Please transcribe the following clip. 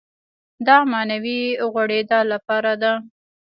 دا معنوي غوړېدا لپاره ده.